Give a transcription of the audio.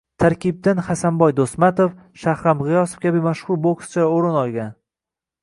Tarkibdan Hasanboy Do‘stmatov, Shahram G‘iyosov kabi mashhur bokschilar o‘rin olgan